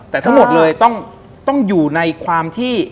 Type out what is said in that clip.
แต่ทั้งหมดเลยต้องอยู่ในความที่